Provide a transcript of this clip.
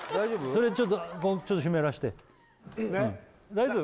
それちょっとちょっと湿らせて大丈夫？